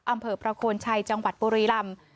อำเภอประโคนชัยจังหวัดบุรีลำ